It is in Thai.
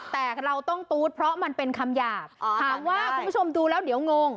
แต่เราต้องตู๊ดเพราะมันเป็นคำหยาบถามว่าคุณผู้ชมดูแล้วเดี๋ยวงง